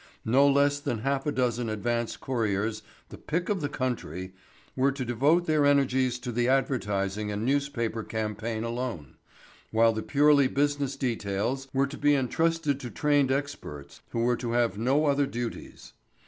No less than half a dozen advance couriers—the pick of the country—were to devote their energies to the advertising and newspaper campaign alone, while the purely business details were to be intrusted to trained experts who were to have no other duties.